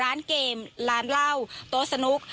ร้านเกมร้านเหล้าโต๊ะสนุก